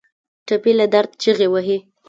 ټپي له درد چیغې وهي.